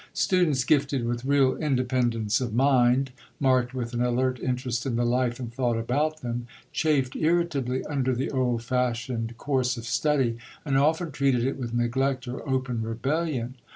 Students gifted with real independence of mind, marked with an alert interest in the life and thought about them, chafed irritably under the old fashioned course of study, and often treated it with neglect or open rebellion.